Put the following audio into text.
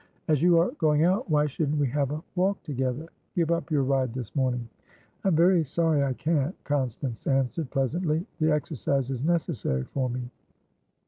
"As you are going out, why shouldn't we have a walk together? Give up your ride this morning." "I'm very sorry I can't," Constance answered, pleasantly. "The exercise is necessary for me."